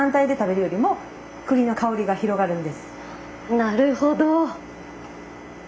なるほど。